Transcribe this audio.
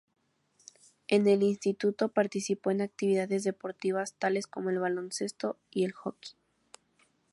En el instituto participó en actividades deportivas tales como el baloncesto y el hockey.